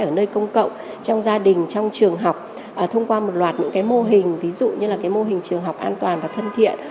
ở nơi công cộng trong gia đình trong trường học thông qua một loạt những mô hình ví dụ như là mô hình trường học an toàn và thân thiện